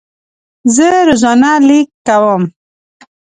زه روزانه لیک کوم.